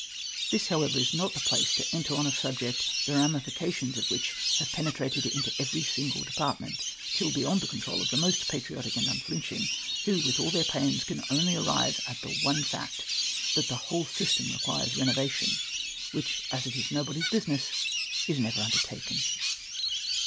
This, however, is not the place to enter on a subject, the ramifications of which have penetrated into every department, till beyond tlie control of the most patriotic and unliinching ; who, with all their pains, can only arrive at the one fact, that the whole system requires renovation, which, as it is nobody's business, is never undertaken.